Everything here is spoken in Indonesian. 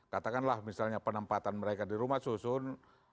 katakanlah misalnya penempatan mereka di rumah susun